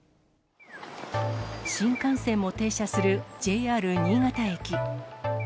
新幹線も停車するＪＲ新潟駅。